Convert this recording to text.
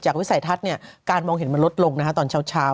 จากวิสัยทัศน์เนี่ยการมองเห็นมันลดลงนะฮะตอนเช้า